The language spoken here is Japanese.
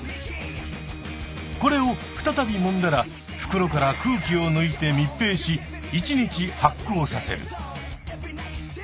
これを再びもんだら袋から空気をぬいてみっぺいし１日発酵させる。